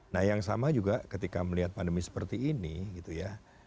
nah yang sama juga ketika melihat pandemi seperti ini gitu ya